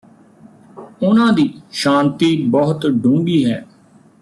ਉਨ੍ਹਾਂ ਦੀ ਸ਼ਾਂਤੀ ਬਹੁਤ ਡੂੰਘੀ ਹੈ